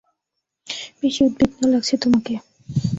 বেশি উদ্বিগ্ন লাগছে তোমাকে।